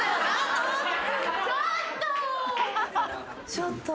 ちょっと。